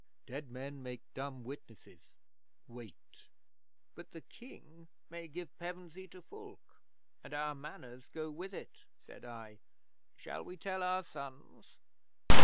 Dead men make dumb witnesses. Wait." '"But the King may give Pevensey to Fulke. And our Manors go with it," said I. "Shall we tell our sons?"